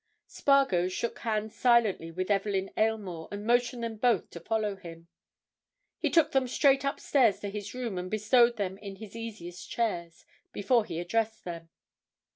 Spargo shook hands silently with Evelyn Aylmore and motioned them both to follow him. He took them straight upstairs to his room and bestowed them in his easiest chairs before he addressed them.